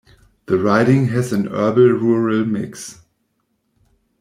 The riding has an urban rural mix.